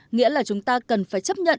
nghĩa là chúng ta cần phải chấp nhận